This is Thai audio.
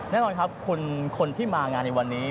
แน่นอนครับคนที่มางานในวันนี้